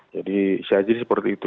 jadi saya jadi seperti itu